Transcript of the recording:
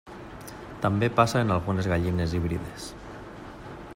També passa en algunes gallines híbrides.